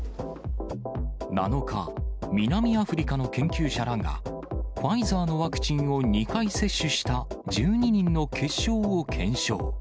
７日、南アフリカの研究者らが、ファイザーのワクチンを２回接種した１２人の血しょうを検証。